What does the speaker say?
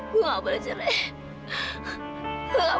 gue gak boleh cerai